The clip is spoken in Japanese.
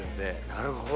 なるほど。